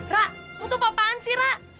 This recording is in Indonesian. ra mu tuh apa apaan sih ra